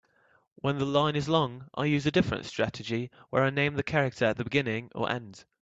When the line is long, I use a different strategy where I name the character at the beginning or end.